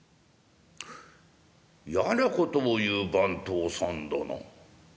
「やなことを言う番頭さんだな。